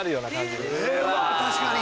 確かに。